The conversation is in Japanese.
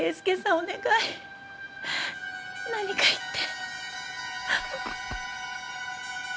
お願い何か言って。